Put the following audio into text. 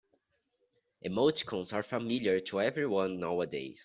Emoticons are familiar to everyone nowadays.